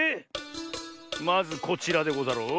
まずこちらでござろう。